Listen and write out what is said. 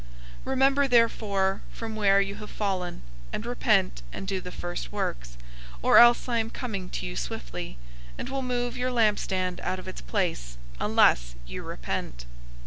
002:005 Remember therefore from where you have fallen, and repent and do the first works; or else I am coming to you swiftly, and will move your lampstand out of its place, unless you repent.